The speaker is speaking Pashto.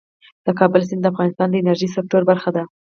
د کابل سیند د افغانستان د انرژۍ سکتور برخه ده.